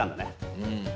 うん。